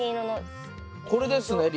これですねリード。